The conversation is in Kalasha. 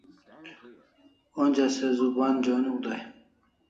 Onja se zuban joniu dai